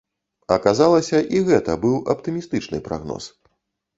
Аказалася, і гэта быў аптымістычны прагноз.